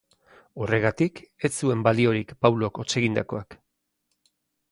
Horregatik, ez zuen baliorik Paulok hots egindakoak.